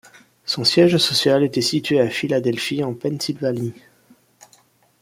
Son siège social était situé à Philadelphie, en Pennsylvanie.